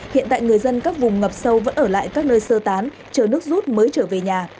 hiện tại người dân các vùng ngập sâu vẫn ở lại các nơi sơ tán chờ nước rút mới trở về nhà